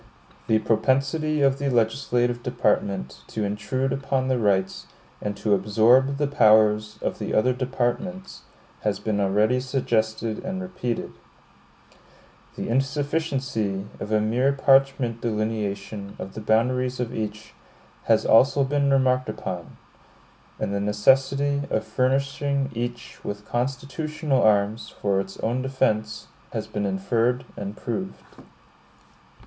The propensity of the legislative department to intrude upon the rights, and to absorb the powers, of the other departments, has been already suggested and repeated; the insufficiency of a mere parchment delineation of the boundaries of each, has also been remarked upon; and the necessity of furnishing each with constitutional arms for its own defense, has been inferred and proved.